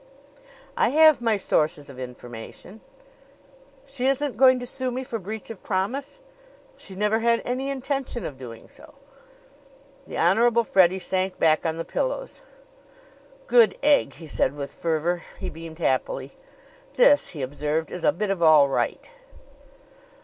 "I have my sources of information." "She isn't going to sue me for breach of promise?" "She never had any intention of doing so." The Honorable Freddie sank back on the pillows. "Good egg!" he said with fervor. He beamed happily. "This," he observed, "is a bit of all right."